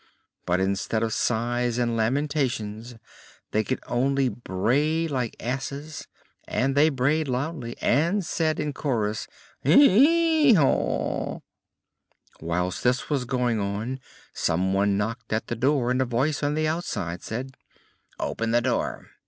But instead of sighs and lamentations they could only bray like asses; and they brayed loudly and said in chorus: "Hee haw!" Whilst this was going on some one knocked at the door and a voice on the outside said: "Open the door!